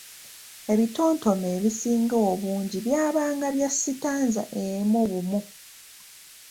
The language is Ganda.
Ebitontome ebisinga obungi byabyanga bya sitanza emu bumu.